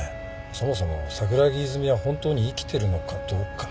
そもそも桜木泉は本当に生きてるのかどうか。